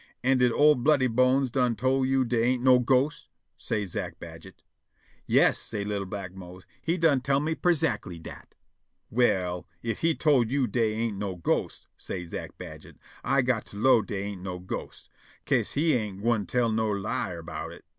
"An' did old Bloody Bones done tol' you dey ain' no ghosts?" say Zack Badget. "Yas," say' li'l' black Mose, "he done tell me perzackly dat." "Well, if he tol' you dey ain't no ghosts," say' Zack Badget, "I got to 'low dey ain't no ghosts, 'ca'se he ain' gwine tell no lie erbout it.